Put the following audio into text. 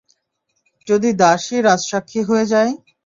যদি দাসই রাজসাক্ষী হয়ে যায়?